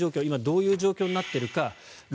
今どういう状況になっているか。